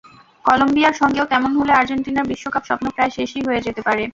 কলম্বিয়ার সঙ্গেও তেমন হলে আর্জেন্টিনার বিশ্বকাপ-স্বপ্ন প্রায় শেষই হয়ে যেতে পারে।